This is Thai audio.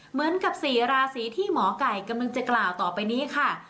เหมือนกับ๔ราศีที่หมอไก่กำลังจะกล่าวต่อไปนี้ค่ะ